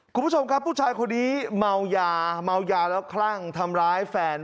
คุณผู้ชมครับผู้ชายคนนี้เมายาเมายาแล้วคลั่งทำร้ายแฟน